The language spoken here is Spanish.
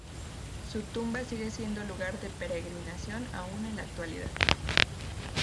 Su tumba sigue siendo lugar de peregrinación aún en la actualidad.